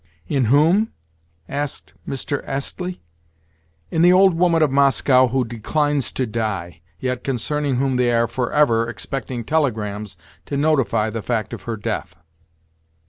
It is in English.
"In whom?" asked Mr. Astley. "In the old woman of Moscow who declines to die, yet concerning whom they are for ever expecting telegrams to notify the fact of her death."